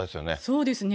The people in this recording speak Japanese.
そうですね。